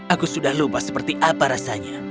aku sudah lupa seperti apa rasanya